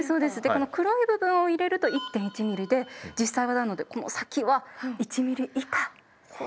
この黒い部分を入れると１．１ｍｍで実際はなのでこの先は１ｍｍ以下。